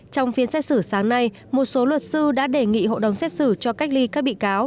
trong phiên xét xử sáng nay một số luật sư đã đề nghị hội đồng xét xử cho cách ly các bị cáo